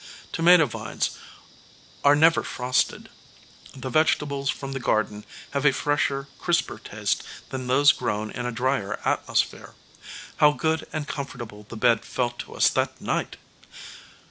Tomato vines are never frosted. The vegetables from the garden have a fresher, crisper taste than those grown in a drier atmosphere. How good and comfortable the bed felt to us that night!